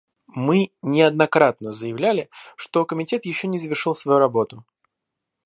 Мы неоднократно заявляли, что комитет еще не завершил свою работу.